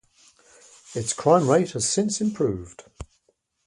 Its crime rate has since improved.